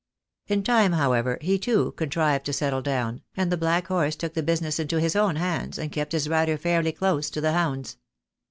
In time, however, he, too, contrived to settle down, and the black horse took the business into his own hands, and kept his rider fairly close to the hounds.